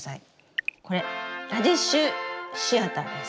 これラディッシュシアターです。